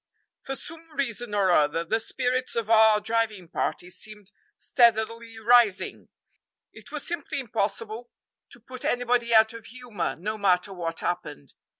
[Illustration: 9215] For some reason or other the spirits of our driving party seemed steadily rising. It was simply impossible to put anybody out of humor, no matter what happened.